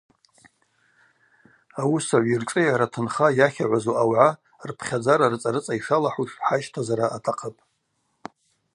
Ауысагӏв йыршӏыйара тынха йахагӏвазу ауагӏа рпхьадзара рыцӏа-рыцӏа йшалахӏуш хӏащтазара атахъыпӏ.